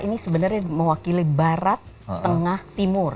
ini sebenarnya mewakili barat tengah timur